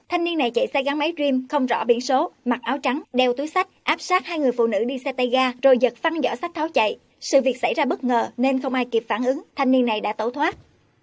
hãy đăng kí cho kênh lalaschool để không bỏ lỡ những video hấp dẫn